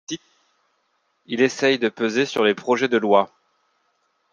Il essaye de peser sur les projets de loi.